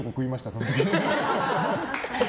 その時に。